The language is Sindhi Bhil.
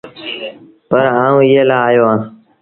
پر آئوٚنٚ ايٚئي لآ آيو اهآنٚ